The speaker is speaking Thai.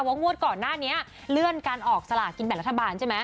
งวดก่อนหน้านี้เลื่อนการออกสลากินแบ่งรัฐบาลใช่ไหม